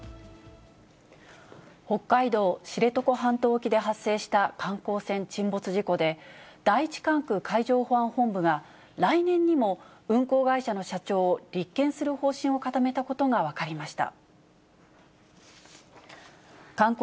北海道知床半島沖で発生した観光船沈没事故で、第１管区海上保安本部が、来年にも運航会社の社長を立件する方針を固めたことが分かりました。